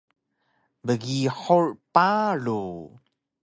Bgihur paru